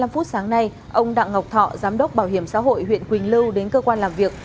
một mươi phút sáng nay ông đặng ngọc thọ giám đốc bảo hiểm xã hội huyện quỳnh lưu đến cơ quan làm việc